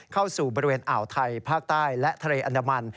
เข้าสู่บริเวณอ่าวไทยภาคใต้และทะเลอันดามัน